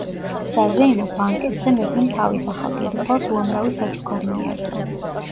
საზეიმო ბანკეტზე მეფემ თავის ახალ დედოფალს უამრავი საჩუქარი მიართვა.